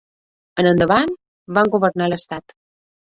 En endavant van governar l'estat.